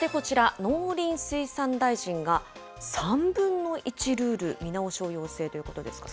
そしてこちら、農林水産大臣が３分の１ルール見直しを要請ということですが。